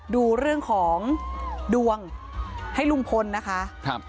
ดูเรื่องของดวงให้ลุงพลนะคะครับ